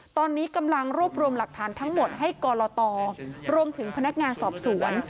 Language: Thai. ตอนนี้กำลังรวบรวมหลักฐานทั้งหมดให้กรตรวมถึงพนักงานสอบสวน